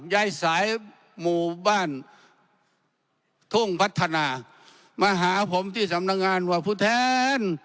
ยายสายหมู่บ้านทุ่งพัฒนามาหาผมที่สำนักงานว่าผู้แทน